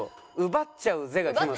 「奪っちゃうぜ！！」。